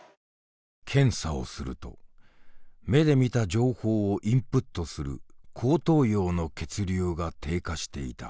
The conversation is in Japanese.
検査をすると目で見た情報をインプットする後頭葉の血流が低下していた。